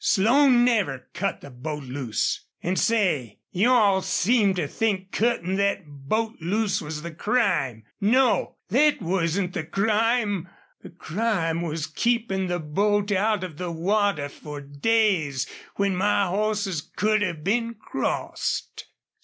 Slone never cut the boat loose.... An' say, you all seem to think cuttin' thet boat loose was the crime.... No! Thet wasn't the crime. The crime was keepin' the boat out of the water fer days when my hosses could have been crossed."